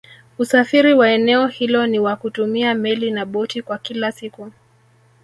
usafiri wa eneo hilo ni wa kutumia Meli na boti kwa kila siku